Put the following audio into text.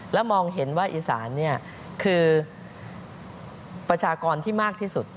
แล้วมองเห็นว่าอีสานคือประชากรที่มากที่สุด